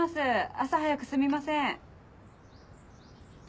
朝早くすみません。